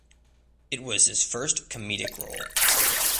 It was his first comedic role.